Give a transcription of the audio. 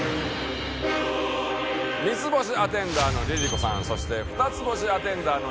３つ星アテンダーのＬｉＬｉＣｏさんそして２つ星アテンダーの彦摩呂さんです！